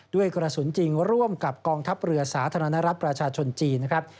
ด้วยกระสุนจริงร่วมกับกองทัพเรือสาธารณรัฐประชาชนจีนนะครับ